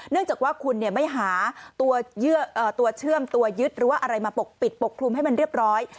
จากว่าคุณไม่หาตัวเชื่อมตัวยึดหรือว่าอะไรมาปกปิดปกคลุมให้มันเรียบร้อย